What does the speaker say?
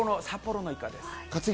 札幌のイカです。